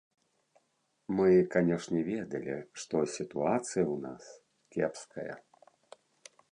Мы, канешне, ведалі, што сітуацыя ў нас кепская.